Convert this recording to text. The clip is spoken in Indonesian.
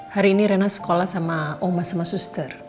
hari ini reina sekolah sama uma sama suster